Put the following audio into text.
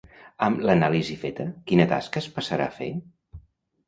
Amb l'anàlisi feta quina tasca es passarà fer?